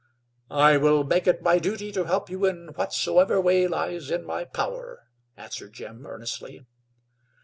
"I will make it my duty to help you in whatsoever way lies in my power," answered Jim, earnestly.